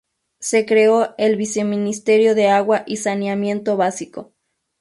Se creó el Viceministerio de Agua y Saneamiento Básico.